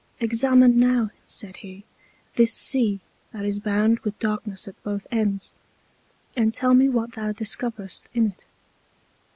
Examine now, said he, this Sea that is bounded with darkness at both Ends, and tell me what thou discoverest in it.